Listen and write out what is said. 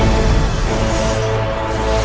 aku akan menangkan gusti ratu